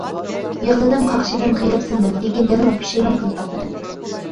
يىغلىدىم، قاقشىدىم، غېرىبسىندىم، لېكىن يەنىلا پۇشايمان قىلىپ باقمىدىم.